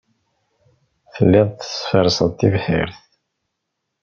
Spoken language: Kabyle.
Telliḍ tferrseḍ tibḥirt.